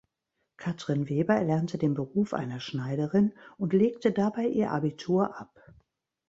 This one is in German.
Katrin Weber erlernte den Beruf einer Schneiderin und legte dabei ihr Abitur ab.